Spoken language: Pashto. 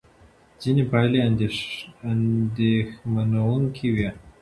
ځینې پایلې اندېښمنوونکې وې.